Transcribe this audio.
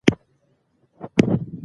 په سړه هوا کې مې سوڼان پرې کيږي